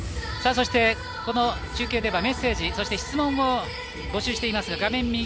そしてこの中継ではメッセージ質問を募集しています。